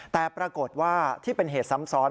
แต่ปรากฏว่าที่เป็นเหตุซ้ำซ้อน